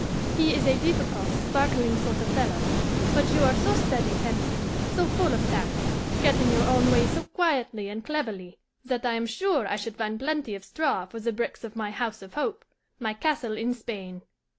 He is a difficult, sparkling sort of fellow, but you are so steady tempered, so full of tact, getting your own way so quietly and cleverly, that I am sure I should find plenty of straw for the bricks of my house of hope, my castle in Spain!